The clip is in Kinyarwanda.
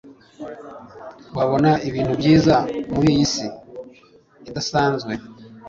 wabona ibintu byiza muriyi si idasanzwe